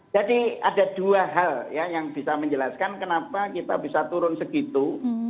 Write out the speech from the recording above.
jadi ada dua hal yang bisa menjelaskan kenapa kita bisa turun segitu